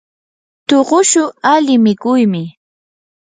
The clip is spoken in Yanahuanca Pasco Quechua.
tuqushu ali mikuymi.